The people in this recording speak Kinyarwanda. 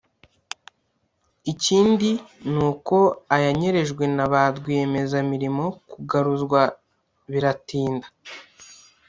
ikindi ni uko ayanyerejwe na ba rwiyemezamirimo kugaruzwa biratinda